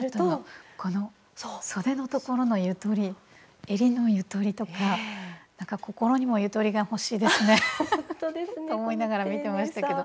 このそでのところのゆとりえりのゆとりとかなんか心にもゆとりが欲しいですね。と思いながら見てましたけど。